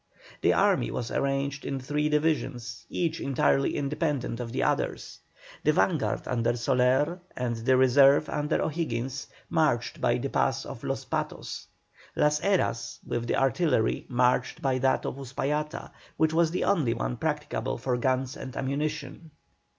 The army was arranged in three divisions, each entirely independent of the others. The vanguard under Soler, and the reserve under O'Higgins, marched by the pass of Los Patos. Las Heras with the artillery marched by that of Uspallata, which was the only one practicable for guns and ammunition.